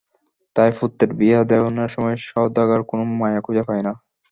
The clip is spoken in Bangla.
তাই পুত্রের বিয়া দেওনের সময় সদাগর কোনো মাইয়া খুঁইজা পায় না।